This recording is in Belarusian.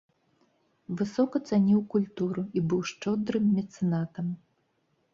Высока цаніў культуру і быў шчодрым мецэнатам.